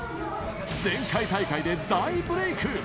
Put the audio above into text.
前回大会で大ブレーク。